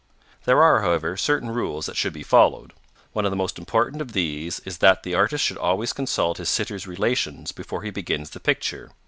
There are, however, certain rules that should be followed. One of the most important of these is that the artist should always consult his sitter's relations before he begins the picture.